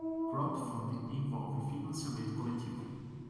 Crowdfunding envolve financiamento coletivo.